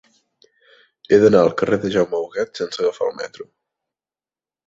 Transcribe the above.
He d'anar al carrer de Jaume Huguet sense agafar el metro.